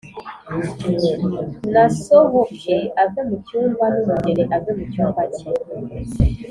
nasohoke ave mu cyumba n umugeni ave mu cyumba cye